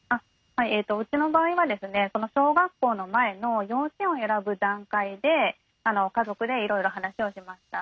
うちの場合は小学校の前の幼稚園を選ぶ段階で家族でいろいろ話をしました。